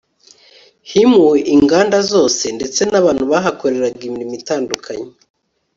himuwe inganda zose ndetse n'abantu bahakorera imirimo itandukanye